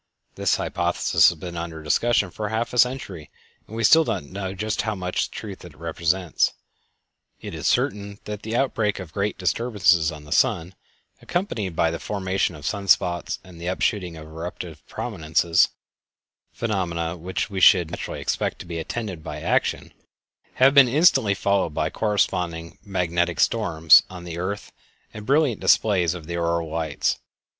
This hypothesis has been under discussion for half a century, and still we do not know just how much truth it represents. It is certain that the outbreak of great disturbances on the sun, accompanied by the formation of sun spots and the upshooting of eruptive prominences (phenomena which we should naturally expect to be attended by action), have been instantly followed by corresponding "magnetic storms" on the earth and brilliant displays of the auroral lights.